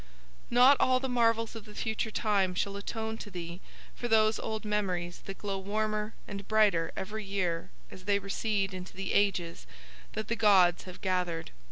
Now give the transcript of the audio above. "Not all the marvels of the future time shall atone to thee for those old memories that glow warmer and brighter every year as they recede into the ages that the gods have gathered.